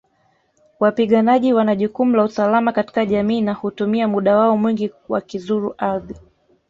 Wapiganaji wana jukumu la usalama katika jamii na hutumia muda wao mwingi wakizuru ardhi